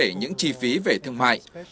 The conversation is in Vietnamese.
đáng kể những chi phí về thương mại